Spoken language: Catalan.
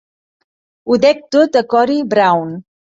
Ho dec tot a Corey Brown.